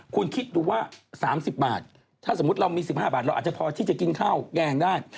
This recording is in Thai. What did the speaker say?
คุณคิดดูว่า๓๐บาทถ้าสมมุติเรามี๑๕บาทเราอาจจะพอที่จะกินข้าวแกงได้